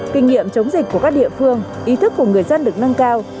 kinh nghiệm chống dịch của các địa phương ý thức của người dân được nâng cao